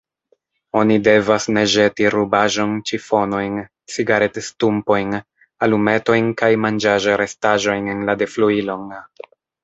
Oni devas ne ĵeti rubaĵon, ĉifonojn, cigaredstumpojn, alumetojn kaj manĝaĵrestaĵojn en la defluilon.